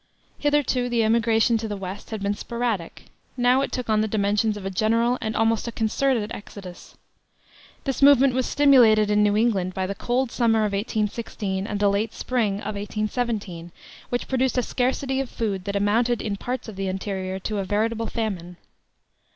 Hitherto the emigration to the West had been sporadic; now it took on the dimensions of a general and almost a concerted exodus. This movement was stimulated in New England by the cold summer of 1816 and the late spring of 1817, which produced a scarcity of food that amounted in parts of the interior to a veritable famine.